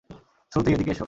শ্রুতি, এদিকে এসো।